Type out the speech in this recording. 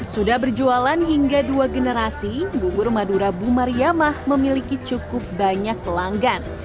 sudah berjualan hingga dua generasi bubur madura buma riyamah memiliki cukup banyak pelanggan